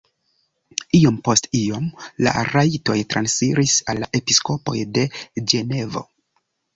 Iom post iom la rajtoj transiris al la episkopoj de Ĝenevo.